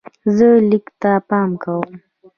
زه لیک ته پام کوم.